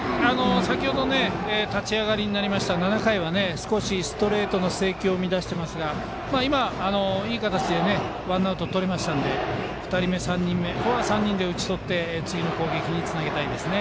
先程、立ち上がりになった７回は少しストレートの制球を乱していましたが今は、いい形でワンアウトとれたので２人目、３人目ここは３人で打ち取って次の攻撃につなげたいですね。